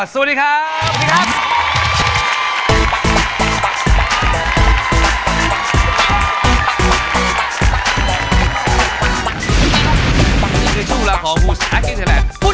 หยุดไหมละครับ